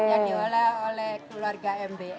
yang diolah oleh keluarga mb